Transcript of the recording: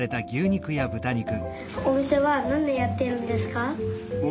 おみせはなんねんやってるんですか？